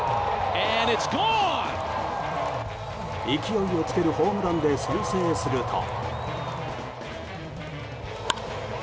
勢いをつけるホームランで先制すると。